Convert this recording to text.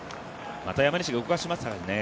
また山西が動かしますかね。